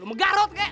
lu megarot kek